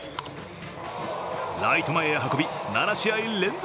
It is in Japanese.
ライト前へ運び７試合連続